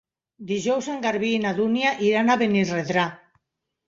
Dijous en Garbí i na Dúnia iran a Benirredrà.